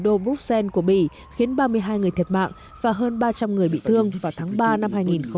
đô bruxelles của bỉ khiến ba mươi hai người thiệt mạng và hơn ba trăm linh người bị thương vào tháng ba năm hai nghìn một mươi chín